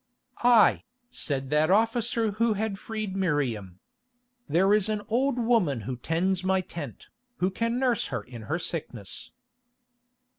"I," said that officer who had freed Miriam. "There is an old woman who tends my tent, who can nurse her in her sickness."